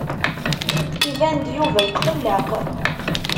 Iban-d Yuba yettqelleq.